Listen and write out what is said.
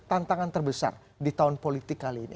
tantangan terbesar di tahun politik kali ini